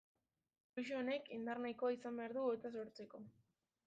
Fluxu honek indar nahikoa izan behar du hotsa sortzeko.